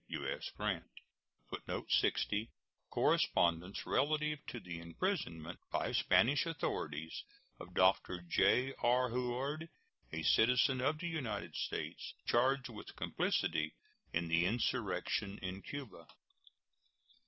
U.S. GRANT. [Footnote 60: Correspondence relative to the imprisonment by Spanish authorities of Dr. J.R. Houard, a citizen of the United States, charged with complicity in the insurrection in Cuba.